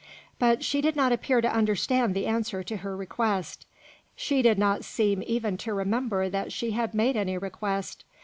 But she did not appear to understand the answer to her request; she did not seem even to remember that she had made any request.